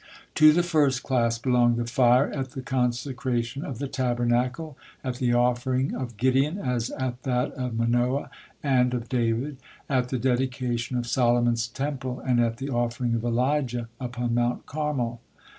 To the first class belong the fire at the consecration of the Tabernacle, at the offering of Gideon as at that of Manoah and of David; at the dedication of Solomon's Temple, and at the offering of Elijah upon Mount Carmel.